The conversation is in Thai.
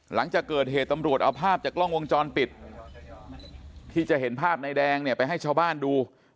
หลังจากเกิดเหตุตำรวจเอาภาพจากกล้องวงจรปิดที่จะเห็นภาพนายแดงเนี่ยไปให้ชาวบ้านดู